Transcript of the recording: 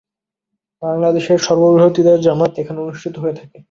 বাংলাদেশের সর্ববৃহৎ ঈদের জামাত এখানে অনুষ্ঠিত হয়ে থাকে।